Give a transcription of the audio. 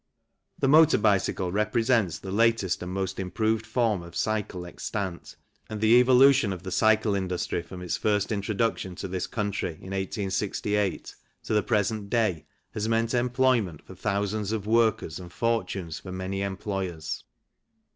The motor bicycle represents the latest and most improved form of cycle extant, and the evolution of the cycle industry from its first introduction to this country, in 1868, to the present day has meant employment for thousands of workers and fortunes for many employers.